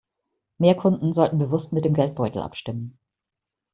Mehr Kunden sollten bewusst mit dem Geldbeutel abstimmen.